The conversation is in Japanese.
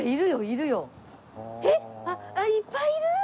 いっぱいいる！